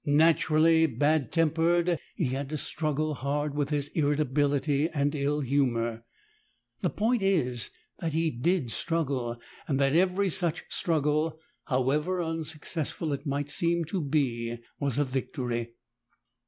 Naturally bad 167 tempered, he had to struggle hard with his irritability and ill humor : the point is that he did struggle, and that every such struggle, however unsuccessful it might seem to be, was a victory.